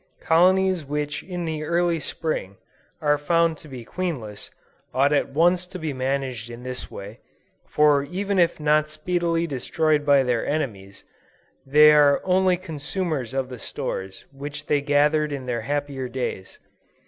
Colonies which in the early Spring, are found to be queenless, ought at once to be managed in this way, for even if not speedily destroyed by their enemies, they are only consumers of the stores which they gathered in their happier days.